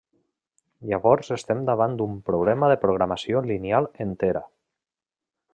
Llavors estem davant d'un problema de programació lineal entera.